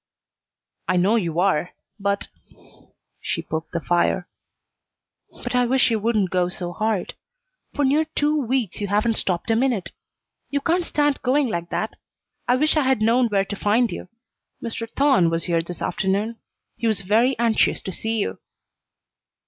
"I know you are, but" she poked the fire "but I wish you wouldn't go so hard. For near two weeks you haven't stopped a minute. You can't stand going like that. I wish I'd known where to find you. Mr. Thorne was here this afternoon. He was very anxious to see you."